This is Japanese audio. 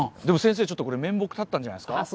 でも先生ちょっとこれ面目立ったんじゃないですか？